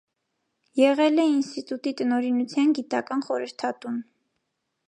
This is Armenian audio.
Եղել է ինստիտուտի տնօրինության գիտական խորհրդատուն։